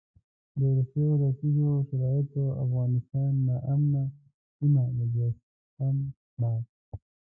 د وروستیو لسیزو شرایطو افغانستان ناامنه سیمه مجسم کړی.